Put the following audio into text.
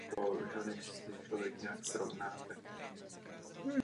První zastavení je umístěno vpravo před vchodem na hřbitov.